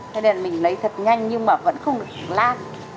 thế nên là mình lấy thật nhanh nhưng mà vẫn không được lát